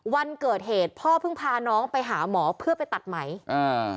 วันเกิดเหตุพ่อเพิ่งพาน้องไปหาหมอเพื่อไปตัดไหมอ่า